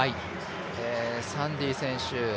サンディ選手